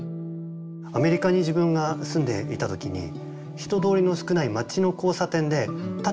アメリカに自分が住んでいた時に人通りの少ない町の交差点で立ってる人がいるんです。